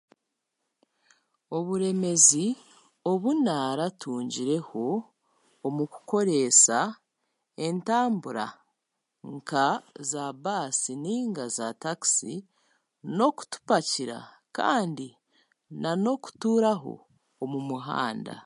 Oburemezi obu naaratungireho omu kukoreesa entambura nka zaabaasi nainga zaatakisi n'okutupakira kandi nanokutuuraho omu muhanda.